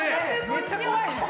めっちゃ怖いね。